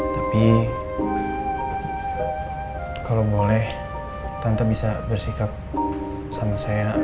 tapi kalau boleh tante bisa bersikap sama saya